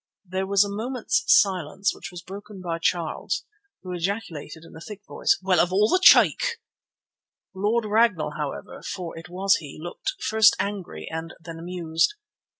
There was a moment's silence, which was broken by Charles, who ejaculated in a thick voice: "Well, of all the cheek!" Lord Ragnall, however, for it was he, looked first angry and then amused.